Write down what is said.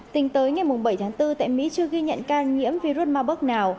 tính tới ngày bảy tháng bốn tại mỹ chưa ghi nhận ca nhiễm virus mabourg nào